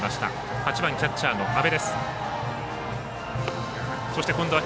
８番、キャッチャーの阿部。